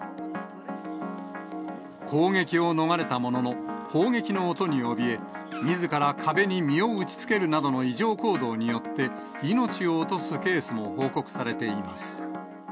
攻撃を逃れたものの、砲撃の音におびえ、みずから壁に身を打ちつけるなどの異常行動によって、命を落とすケースも報告されています。